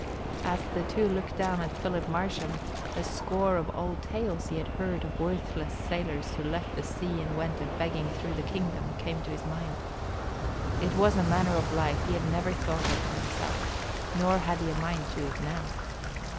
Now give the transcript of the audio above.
As the two looked down at Philip Marsham, a score of old tales he had heard of worthless sailors who left the sea and went a begging through the kingdom came to his mind. It was a manner of life he had never thought of for himself, nor had he a mind to it now.